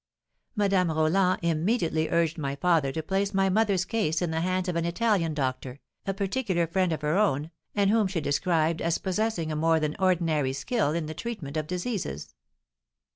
Madame Roland immediately urged my father to place my mother's case in the hands of an Italian doctor, a particular friend of her own, and whom she described as possessing a more than ordinary skill in the treatment of diseases.